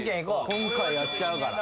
今回やっちゃうから。